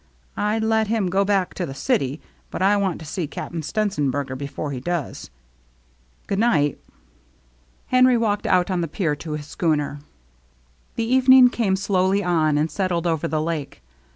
I'd let him go back to the city, but I want to see Cap'n Stenzenberger before he does. Good night." Henry walked out on the pier to his schooner. The evening came slowly on and settled over the lake.